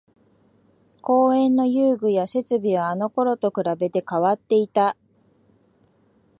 公園の遊具や設備はあのころと比べて変わっていた